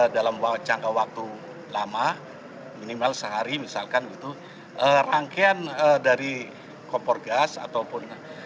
dalam jangka waktu lama minimal sehari misalkan gitu rangkaian dari kompor gas ataupun